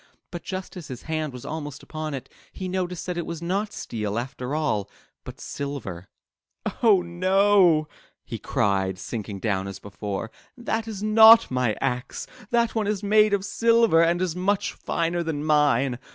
But just as his hand was almost 80 UP ONE PAIR OF STAIRS upon it, he noticed that it was not steel after all, but silver. *'0h no!'' he cried, sinking down as before, 'That is not my axe. That one is made of silver and is much finer than mine.